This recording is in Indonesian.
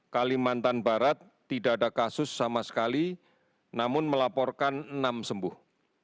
kalimantan barat tidak ada kasus sama sekali namun melaporkan enam sembuh